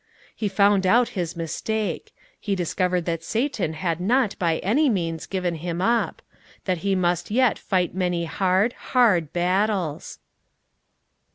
He found out his mistake: he discovered that Satan had not by any means given him up; that he must yet fight many hard, hard battles.